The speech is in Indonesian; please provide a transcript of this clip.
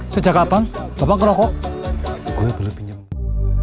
sejak kapan bapak kenapa